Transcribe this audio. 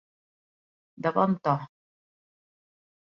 De bon to.